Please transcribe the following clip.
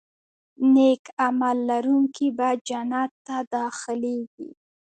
نیک عمل لرونکي به جنت ته داخلېږي.